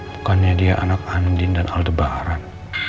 bukannya dia anak andin dan aldebaran